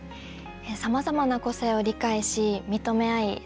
さまざまな個性を理解し認め合い